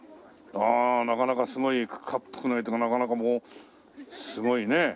ああなかなかすごい恰幅のいいというかなかなかもうすごいね。